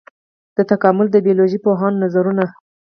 د تکامل د بيولوژي پوهانو نظرونه.